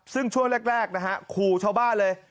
ซึ่งช่วงแรกครูชาวบ้านเลย